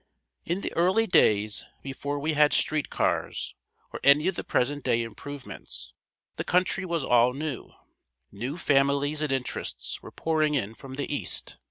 In the early days, before we had street cars, or any of the present day improvements, the country was all new. New families and interests were pouring in from the East.